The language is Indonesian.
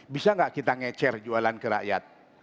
bisa nggak kita ngecer jualan ke rakyat